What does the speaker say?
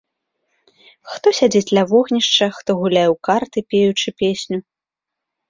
Хто сядзіць ля вогнішча, хто гуляе ў карты, пеючы песню.